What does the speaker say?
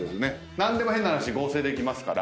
何でも変な話合成できますから。